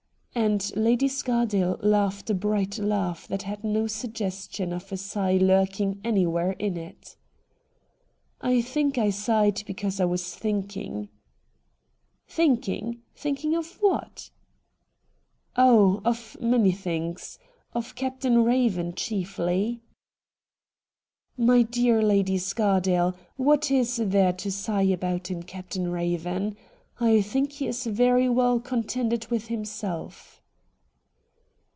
And Lady Scardale laughed a bright laugh that had no suggestion of a sigh lurking anywhere in it. 'I think I sighed because I was thinking.' ' Thinking ? Thinking of what ?'' Oh, of many things. Of Captain Eaven chiefly.' ' My dear Lady Scardale, what is there to sigh about in Captain Eaven ? I think he is very well contented with himself.'